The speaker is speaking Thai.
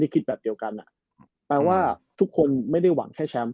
คิดแบบเดียวกันแปลว่าทุกคนไม่ได้หวังแค่แชมป์